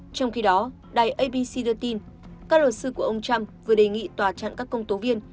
trong khi đó đài abc đưa tin các luật sư của ông trump vừa đề nghị tòa chặn các công tố viên